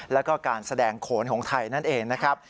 แล้วก็การแสดงโขนของไทยนั่นเองนะครับ